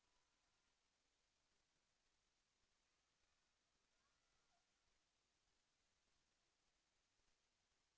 แสวได้ไงของเราก็เชียนนักอยู่ค่ะเป็นผู้ร่วมงานที่ดีมาก